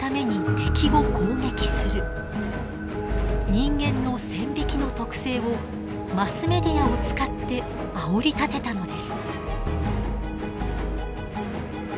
人間の線引きの特性をマスメディアを使ってあおり立てたのです。